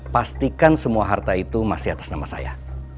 pastikan semua harta itu masih atas nama saya